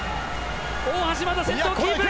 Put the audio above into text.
大橋、まだ先頭キープ！